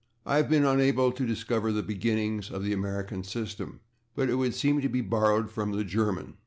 I have been unable to discover the beginnings of the American system, but it would seem to be borrowed from the German.